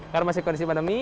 karena masih kondisi pandemi